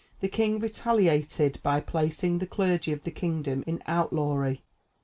The king retaliated by placing the clergy of the kingdom in outlawry.